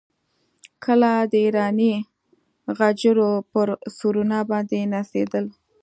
کله د ایراني غجرو پر سورنا باندې نڅېدل.